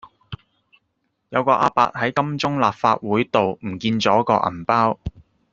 有個亞伯喺金鐘立法會道唔見左個銀包